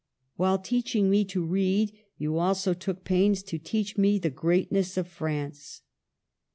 While teaching me to read, you also took pains to teach me the great ness of France.